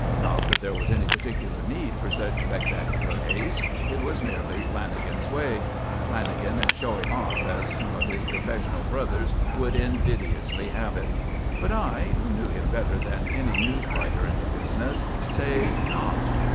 Not that there was any particular need for such spectacular haste; it was merely Lanagan's way; Lanagan "showing off," as some of his professional brothers would invidiously have it. But I, who knew him better than any news writer in the business, say not.